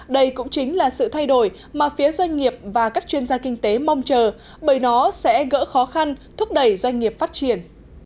đây cũng chính là sự thay đổi mà phía doanh nghiệp và các chuyên gia kinh tế mong chờ bởi nó sẽ gỡ khó khăn thúc đẩy doanh nghiệp phát triển